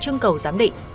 trưng cầu giám định